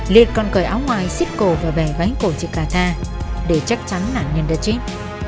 liệt còn cởi áo ngoài xít cổ và vẻ gánh cổ chị cà tha để chắc chắn nản nhân đã chết